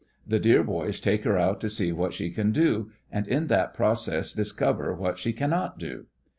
The dear boys take her out to see what she can do, and in that process discover what she cannot do.